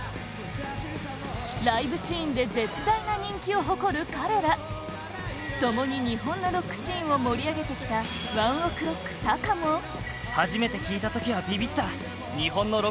ライブシーンで絶大な人気を誇る彼ら共に日本のロックシーンを盛り上げてきたＯＮＥＯＫＲＯＣＫＴａｋａもと、絶賛！